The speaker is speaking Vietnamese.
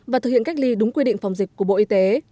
và thực hiện cách ly đúng quy định phòng dịch của bộ y tế